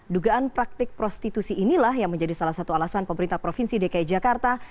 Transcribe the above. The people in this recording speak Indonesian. dugaan praktik prostitusi inilah yang menjadi salah satu alasan pemerintah provinsi dki jakarta